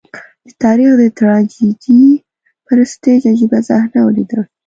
د تاریخ د ټراجېډي پر سټېج عجيبه صحنه ولیده.